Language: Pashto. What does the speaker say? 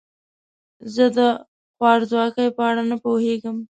زه د خوارځواکۍ په اړه نه پوهیږم.